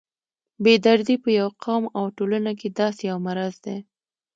بې دردي په یو قوم او ټولنه کې داسې یو مرض دی.